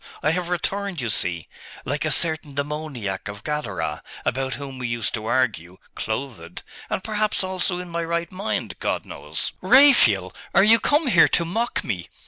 I have returned, you see, like a certain demoniac of Gadara, about whom we used to argue, clothed and perhaps also in my right mind.... God knows!' 'Raphael! are you come here to mock me?